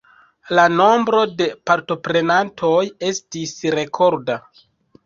La nombro de partoprenantoj estis rekorda.